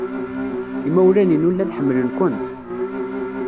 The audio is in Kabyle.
Imawlan-inu llan ḥemmlen-kent.